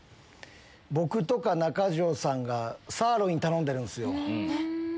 僕とか中条さんがサーロイン頼んでるんすよ。